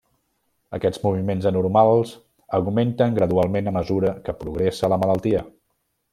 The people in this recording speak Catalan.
Aquests moviments anormals augmenten gradualment a mesura que progressa la malaltia.